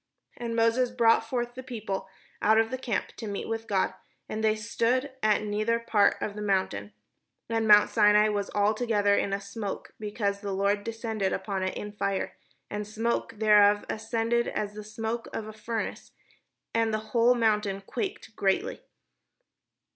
And Moses brought forth the people out of the camp to meet with God; and they stood at the nether part of the mount. And mount Sinai was altogether in a smoke, because the Lord descended upon it in fire : and the smoke thereof ascended as the smoke of a furnace, and the whole mount quaked greatly.